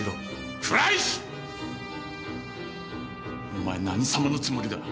お前何様のつもりだ。